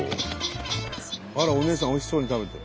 あらおねえさんおいしそうに食べて。